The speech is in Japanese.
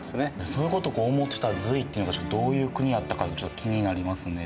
そういうことを思ってた隋っていうのがどういう国やったかってちょっと気になりますね